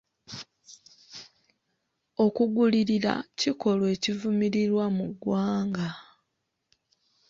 okugulirira kikolwa ekivumirirwa mu ggwanga.